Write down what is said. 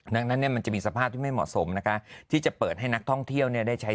ดังนั้นมันจะมีสภาพที่ไม่เหมาะสมนะคะที่จะเปิดให้นักท่องเที่ยวได้ใช้